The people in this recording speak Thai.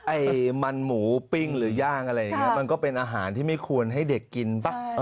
ไอ้มันหมูปิ้งหรือย่างอะไรอย่างนี้มันก็เป็นอาหารที่ไม่ควรให้เด็กกินป่ะ